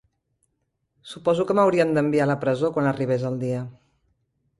Suposo que m'haurien d'enviar a la presó quan arribés el dia.